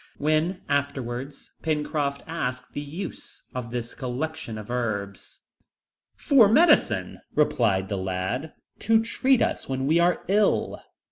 When, afterwards, Pencroft asked the use of this collection of herbs, "For medicine," replied the lad, "to treat us when we are ill."